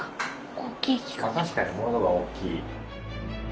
確かに窓が大きい。